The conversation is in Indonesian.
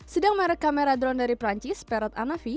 sedang merek kamera drone dari perancis parrot anavi